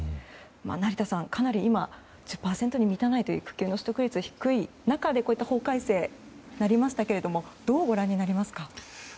成田さん、かなり今は１０％に満たない育休取得率が低い中で法改正になりましたけどどうご覧になりますか。